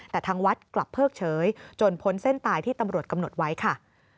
แต่ทางวัดกลับเพิกเฉยจนพ้นเส้นตายที่ตำรวจกำหนดไว้ค่ะ